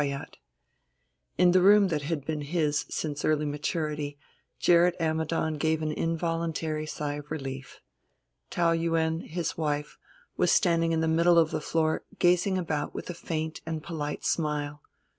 IV In the room that had been his since early maturity Gerrit Ammidon gave an involuntary sigh of relief. Taou Yuen, his wife, was standing in the middle of the floor, gazing about with a faint and polite smile.